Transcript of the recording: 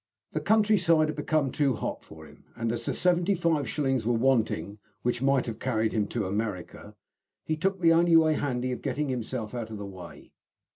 The countryside had become too hot for him; and, as the seventy five shillings were wanting which might have carried him to America, he took the only way handy of getting himself out of the way.